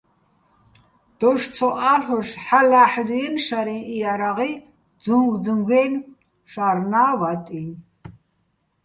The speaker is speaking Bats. დოშ ცო ა́ლ'ოშ ჰ̦ალო̆ ლა́ჰ̦დიენი̆ შარიჼ იარაღი, ძუჼგძუჼგაჲნო̆ შარნა́ ვატიჼ.